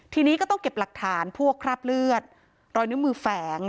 ทีนี้ก็ต้องเก็บหลักฐานพวกคราบเลือดรอยนิ้วมือแฝง